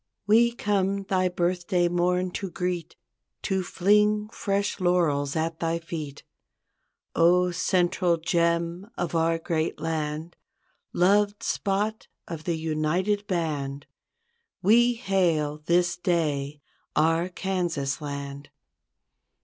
We come thy birthday morn to greet, To fling fresh laurels at thy feet. 0, central gem of our great land, Loved spot of the united band; We hail this day, our Kansas Land.